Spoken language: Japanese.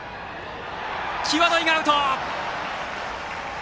際どいがアウト！